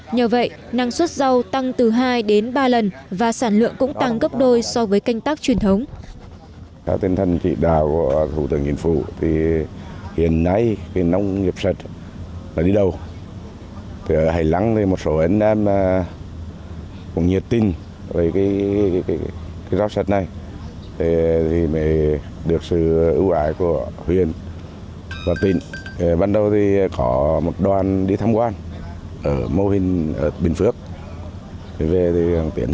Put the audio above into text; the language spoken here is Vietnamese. nhờ vậy năng suất rau tăng từ hai đến ba lần và sản lượng cũng tăng gấp đôi so với canh tác truyền thống